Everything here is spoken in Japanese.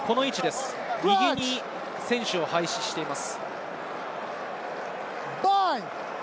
右に選手を配置しています。